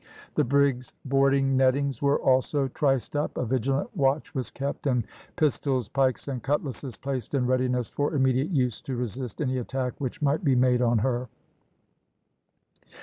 The brig's boarding nettings were also triced up, a vigilant watch was kept, and pistols, pikes, and cutlasses placed in readiness for immediate use to resist any attack which might be made on her.